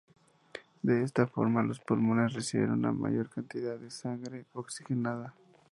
De esta forma, los pulmones reciben una mayor cantidad de sangre oxigenada.